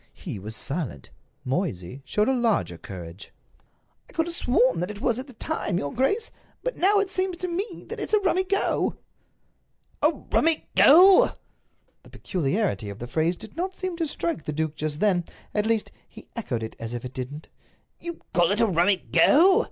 He was silent. Moysey showed a larger courage. "I could have sworn that it was at the time, your grace. But now it seems to me that it's a rummy go." "A rummy go!" The peculiarity of the phrase did not seem to strike the duke just then—at least, he echoed it as if it didn't. "You call it a rummy go!